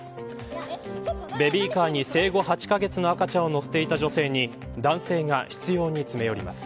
ベビーカーに生後８カ月の赤ちゃんを乗せていた女性に男性が執拗に詰め寄ります。